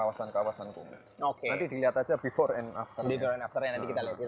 ada lagi yang kawasan kawasan kumuh oke nanti dilihat aja before and after nanti kita lihat